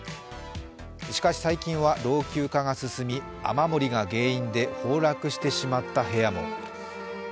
しかし最近は老朽化が進み雨漏りが原因で崩落してしまった部屋も。